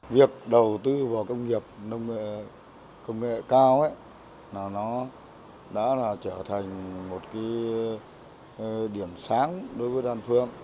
việc đầu tư vào công nghiệp nông nghệ cao đã trở thành một điểm sáng đối với đan phượng